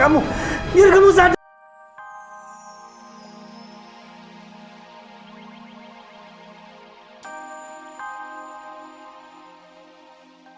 kang jerman nampar ida